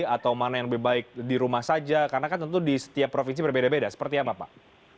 atau mana yang lebih baik di rumah saja karena kan tentu di setiap provinsi berbeda beda seperti apa pak